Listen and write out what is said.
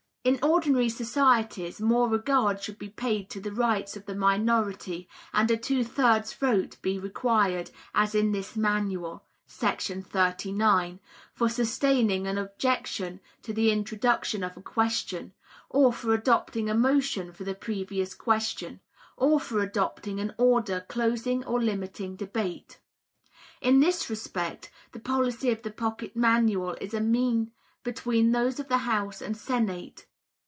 In ordinary societies more regard should be paid to the rights of the minority, and a two thirds vote be required, as in this Manual [§ 39], for sustaining an objection to the introduction of a question, or for adopting a motion for the Previous Question, or for adopting an order closing or limiting debate. In this respect the policy of the Pocket Manual is a mean between those of the House and Senate.